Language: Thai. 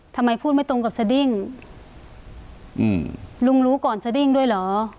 ทำไมพูดไม่ตรงกับสดิ้งอืมลุงรู้ก่อนสดิ้งด้วยเหรอ